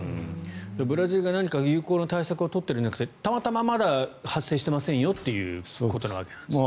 ブラジルが何か有効な対策を取っているのではなくてたまたままだ発生してませんよということなわけですね。